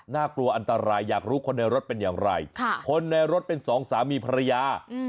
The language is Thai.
น่ากลัวอันตรายอยากรู้คนในรถเป็นอย่างไรคนในรถเป็นสองสามีภรรยา